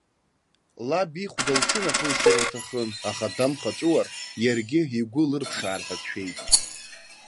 Лаб ихәда лҽынахылшьыр лҭахын, аха дамхаҵәыуар, иаргьы игәы лырԥшаар ҳәа дшәеит.